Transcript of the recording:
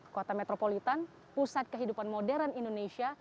kota metropolitan pusat kehidupan modern indonesia